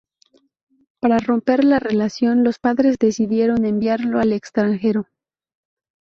Para romper la relación, los padres decidieron enviarlo al extranjero.